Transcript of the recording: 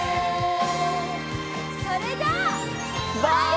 それじゃあ。